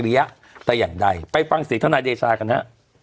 อัธิริยะแต่อย่างใดไปฟังสิทธนาทีศาสตร์กันฮะ